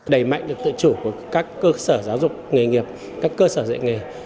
đẩy mạnh được tự chủ của các cơ sở giáo dục nghề nghiệp các cơ sở dạy nghề